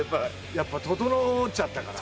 やっぱととのっちゃったから。